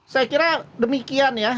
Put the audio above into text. saya kira demikian ya